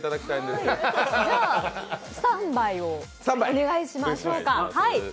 ではスタンバイをお願いしましょうか。